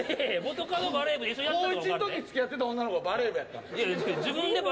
高１の時付き合ってた女の子バレー部やった。